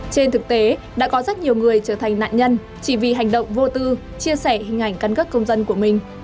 trên thực tế đã có rất nhiều người trở thành nạn nhân chỉ vì hành động vô tư chia sẻ hình ảnh căn cước công dân của mình